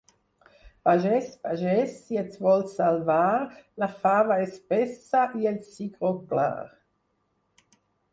Pagès, pagès, si et vols salvar, la fava espessa, i el cigró clar.